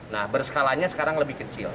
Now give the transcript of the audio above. nah berskalanya sekarang lebih